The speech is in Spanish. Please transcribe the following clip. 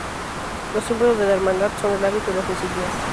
Los símbolos de la Hermandad son el hábito y las insignias.